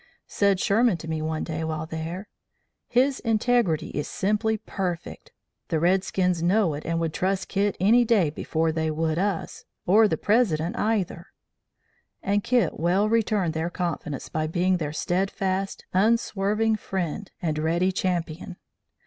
Said Sherman to me one day while there: 'His integrity is simply perfect. The red skins know it, and would trust Kit any day before they would us, or the President, either!' And Kit well returned their confidence, by being their steadfast, unswerving friend and ready champion.